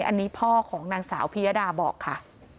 อันนี้พ่อของนางสาวพิยดาบอกค่ะ